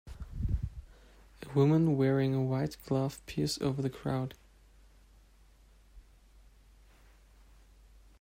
A woman wearing a white glove peers over the crowd.